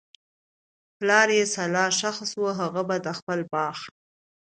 پلار ئي صالح شخص وو، هغه به د خپل باغ